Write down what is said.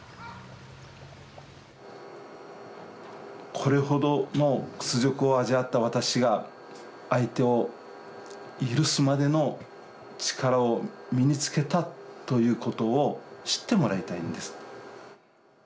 これほどの屈辱を味わった私が相手を許すまでの力を身につけたということを知ってもらいたいんです。